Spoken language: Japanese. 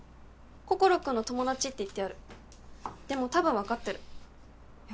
心君の友達って言ってあるでも多分分かってるえっ